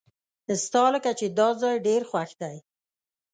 ستالکه چې داځای ډیر خوښ دی .